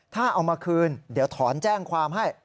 ถ้าเอามาคืนเดี๋ยวถอนแจ้งความให้